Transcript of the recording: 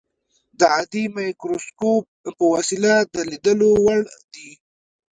د عادي مایکروسکوپ په وسیله د لیدلو وړ دي.